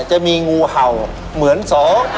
จะมีงูเห่าเหมือนสอง